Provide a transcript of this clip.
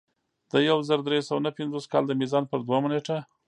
د یو زر درې سوه نهه پنځوس کال د میزان پر دویمه نېټه.